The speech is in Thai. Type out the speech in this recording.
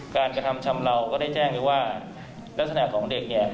กระทำชำเลาก็ได้แจ้งไปว่าลักษณะของเด็กเนี่ย